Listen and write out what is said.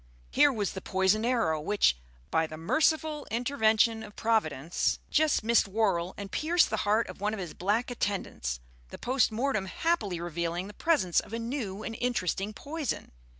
Here was the poisoned arrow which, by the merciful intervention of Providence, just missed Worrall and pierced the heart of one of his black attendants, the post mortem happily revealing the presence of a new and interesting poison.